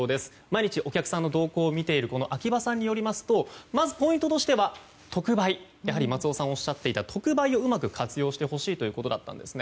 毎日お客さんの動向を見ている秋葉さんによりますとまず、ポイントとしては松尾さんがおっしゃっていた特売をうまく活用してほしいということだったんです。